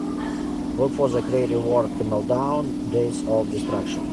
look for the creative work Meltdown – Days of Destruction